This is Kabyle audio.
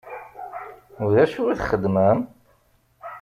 U d acu i txeddmem?